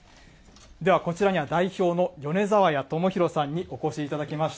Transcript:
では、こちらには代表の米沢谷友広さんにお越しいただきました。